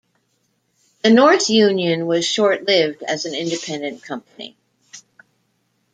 The North Union was short-lived as an independent company.